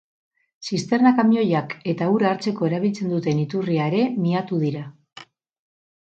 Zisterna-kamioiak eta ura hartzeko erabiltzen duten iturria ere miatu dira.